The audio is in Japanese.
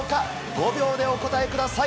５秒でお答えください。